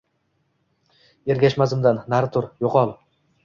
Ergashma izimdan, nari tur, yo’qol!”